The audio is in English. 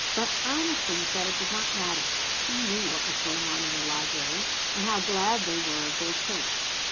But Ernestine said it did not matter. She knew what was going on in the library and how glad they were of their chance.